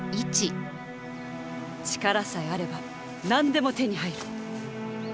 力さえあれば何でも手に入る！